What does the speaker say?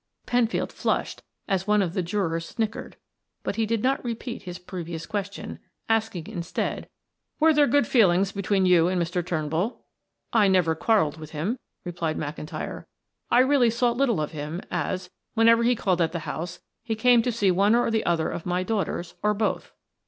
Penfield flushed as one of the jurors snickered, but he did not repeat his previous question, asking instead, "Was there good feeling between you and Mr. Turnbull?" "I never quarreled with him," replied McIntyre. "I really saw little of him as, whenever he called at the house, he came to see one or the other of my daughters, or both."